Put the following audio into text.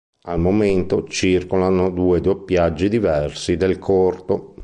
Al momento circolano due doppiaggi diversi del corto.